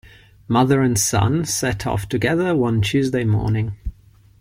Mother and son set off together one Tuesday morning.